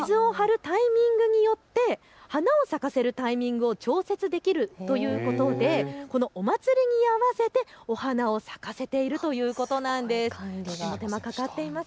この水が張っているタイミングによって花を咲かせるタイミングを調節できるということでお祭りに合わせて花を咲かせているということなんです。